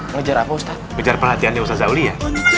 ngejar apa ustadz ngejar perhatiannya ustadz uli ya